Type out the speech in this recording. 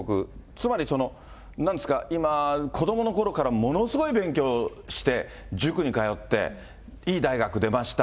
つまりなんですか、今、子どものころからものすごい勉強して、塾に通って、いい大学出ました。